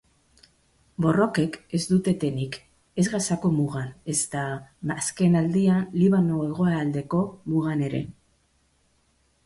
Borrokek ez dute etenik, ez Gazako mugan, ezta, azken aldian, Libano hegoaldeko mugan ere.